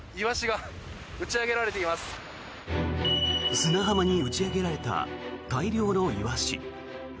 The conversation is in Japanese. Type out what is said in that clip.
砂浜に打ち上げられた大量のイワシ。